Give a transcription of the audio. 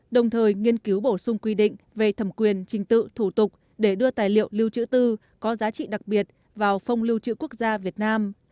đồng thời nghiên cứu bổ sung quy định về thẩm quyền trình tự thủ tục để đưa tài liệu lưu trữ tư có giá trị đặc biệt vào phong lưu trữ quốc gia việt nam